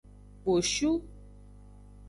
Kposhu.